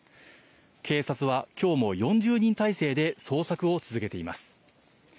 警察は今日も４０人態勢で捜索を続けています。